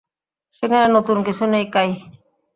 সেখানে নতুন কিছু নেই, কাই।